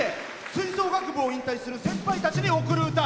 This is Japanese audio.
吹奏楽部を引退する先輩たちに贈る歌。